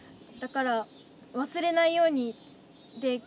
だから忘れないようにって。